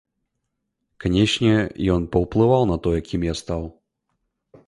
Канечне, ён паўплываў на тое, кім я стаў.